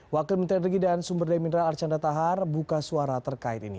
wakil menteri dan sumber daya mineral archandra tahar buka suara terkait ini